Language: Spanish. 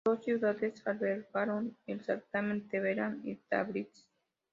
Dos ciudades albergaron el certamen, Teherán y Tabriz.